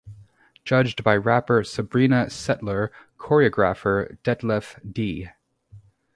Judged by rapper Sabrina Setlur, choreographer Detlef D!